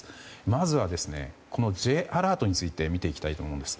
まずは、Ｊアラートについて見ていきたいと思います。